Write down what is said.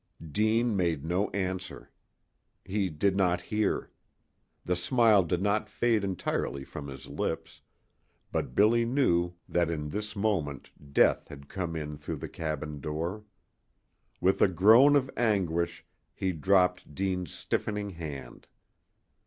Deane made no answer. He did not hear. The smile did not fade entirely from his lips. But Billy knew that in this moment death had come in through the cabin door. With a groan of anguish he dropped Deane's stiffening hand.